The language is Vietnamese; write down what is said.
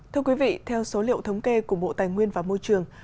thưa quý vị theo số liệu thống kê của bộ tài nguyên và môi trường